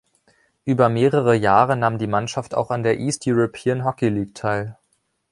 Über mehrere Jahre nahm die Mannschaft auch an der East European Hockey League teil.